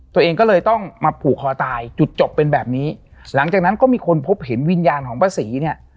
ตัวเองก็เลยต้องมาผูกคอตายจุดจบเป็นแบบนี้หลังจากนั้นก็มีคนพบเห็นวิญญาณของป้าศรีเนี่ย